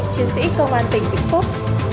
chiến sĩ công an tỉnh vĩnh phúc